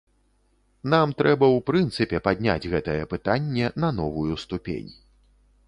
Нам трэба ў прынцыпе падняць гэтае пытанне на новую ступень.